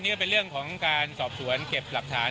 นี่ก็เป็นเรื่องของการสอบสวนเก็บหลักฐาน